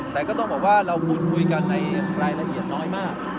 แต่ก็ต้องบอกว่าเราพูดคุยกันในรายละเอียดน้อยมาก